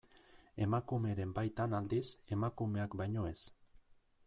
Emakumeren baitan, aldiz, emakumeak baino ez.